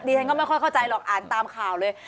ฉันก็ไม่ค่อยเข้าใจหรอกอ่านตามข่าวเลย